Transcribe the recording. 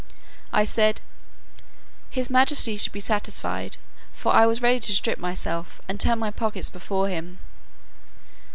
I said, "His majesty should be satisfied; for I was ready to strip myself, and turn up my pockets before him."